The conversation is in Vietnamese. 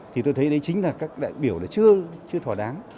thì tôi thấy đấy chính là các đại biểu là chưa thỏa đáng